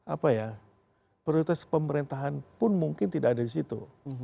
apa ya prioritas pemerintahan pun mungkin tidak ada di situ